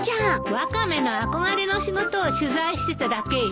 ワカメの憧れの仕事を取材してただけよ。